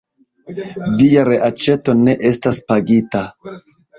Via reaĉeto ne estas pagita.